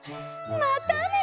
またね。